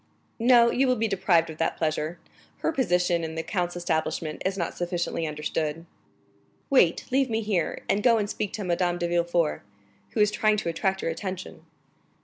"No, you will be deprived of that pleasure; her position in the count's establishment is not sufficiently understood." "Wait; leave me here, and go and speak to Madame de Villefort, who is trying to attract your attention."